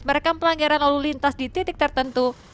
merekam pelanggaran lalu lintas di titik tertentu